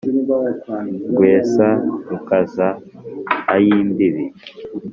Rwesa rukaza ay’imbibi